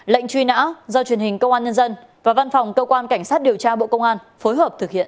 lệnh truy nã do truyền hình công an nhân dân và văn phòng cơ quan cảnh sát điều tra bộ công an phối hợp thực hiện